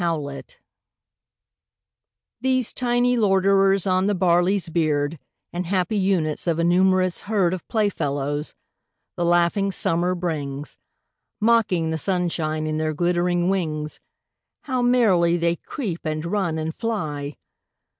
Insects These tiny loiterers on the barley's beard, And happy units of a numerous herd Of playfellows, the laughing Summer brings, Mocking the sunshine in their glittering wings, How merrily they creep, and run, and fly!